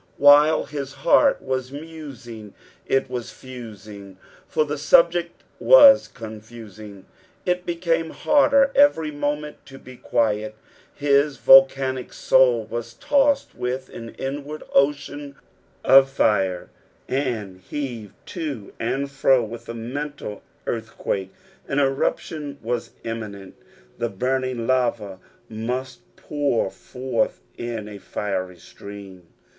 While hia heart was rauain^ it was fusing, for the subject was coafusing. It became harder every moment to be quiet ; bis Tolconic sou! was tossed with an inward ocean of fire, and heaved to and fro with a mental earthquake ; an eruption was immiaent, the burning lava must pour forth in a fiery stream.